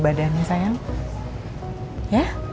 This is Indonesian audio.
kamu harus sarapan biar cepet pulih